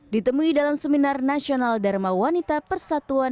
ditemui dalam seminar nasional dharma wanita persatuan